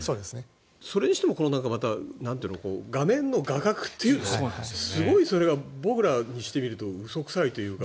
それにしても画面の画角というかすごいそれが僕らにしてみると嘘くさいというか。